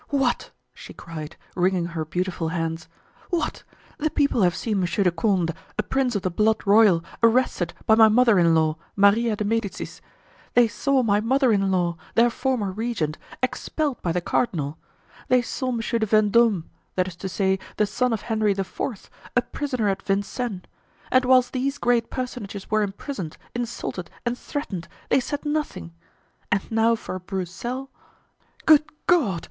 "What!" she cried, wringing her beautiful hands, "What! the people have seen Monsieur de Condé, a prince of the blood royal, arrested by my mother in law, Maria de Medicis; they saw my mother in law, their former regent, expelled by the cardinal; they saw Monsieur de Vendome, that is to say, the son of Henry IV., a prisoner at Vincennes; and whilst these great personages were imprisoned, insulted and threatened, they said nothing; and now for a Broussel—good God!